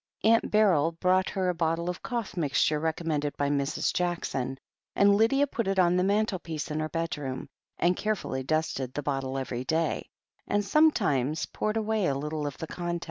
Aunt Beryl brought her a bottle of cough mixture recommended by Mrs. Jackson, and Lydia put it on the mantlepiece in her bedroom, and carefully dusted the bottle every day, and sometimes poured away a little of the contents.